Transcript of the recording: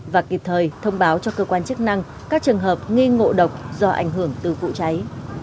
và kịp thời thông báo cho cơ quan chức năng các trường hợp nghi ngộ độc do ảnh hưởng từ vụ cháy